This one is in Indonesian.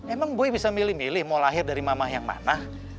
emang buy bisa milih milih mau lahir dari mama yang mana